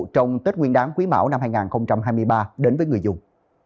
trong tết nguyên đáng quý mão năm hai nghìn hai mươi ba đến với người dùng